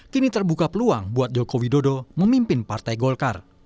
kini terbuka peluang buat jokowi dodo memimpin partai golkar